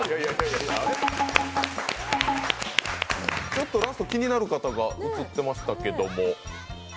ちょっと気になる方が映ってましたけども。